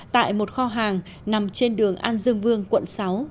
tại một kho hàng nằm trên đường an dương vương quận sáu